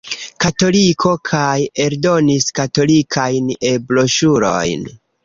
Katoliko kaj eldonis katolikajn E-broŝurojn.